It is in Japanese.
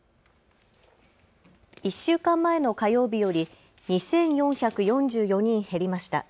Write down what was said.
１週間前の火曜日より２４４４人減りました。